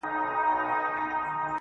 اختر نژدې دی.